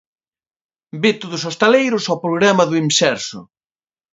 Veto dos hostaleiros ao programa do Imserso.